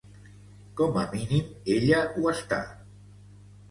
Com a mínim ella ho està.